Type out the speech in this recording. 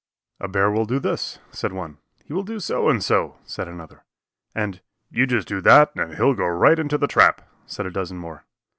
"A bear will do this," said one. "He will do so and so," said another, and "you just do that and he'll go right into the trap," said a dozen more.